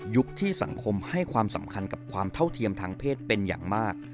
ที่สังคมให้ความสำคัญกับความเท่าเทียมทางเพศเป็นอย่างมาก